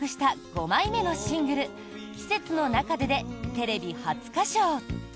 ５枚目のシングル「季節の中で」でテレビ初歌唱。